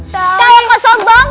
kalau kau sumbang